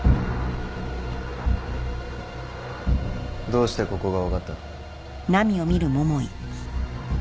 どうしてここが分かった？